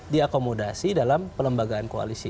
diakomodasi dalam pelembagaan koalisi